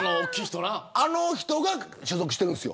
あの人が所属してるんです。